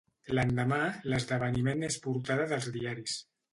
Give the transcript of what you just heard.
L'endemà, l'esdeveniment és portada dels diaris.